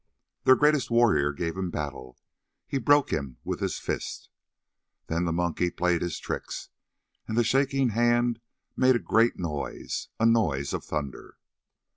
"Their greatest warrior gave him battle, he broke him with his fist. "Then the Monkey played his tricks, and the Shaking Hand made a great noise, a noise of thunder.